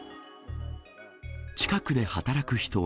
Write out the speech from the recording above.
近くで働く人は。